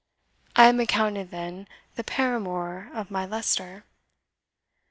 I am accounted, then, the paramour of my Leicester?"